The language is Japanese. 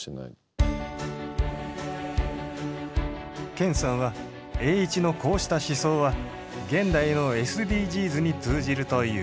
健さんは栄一のこうした思想は現代のＳＤＧｓに通じるという。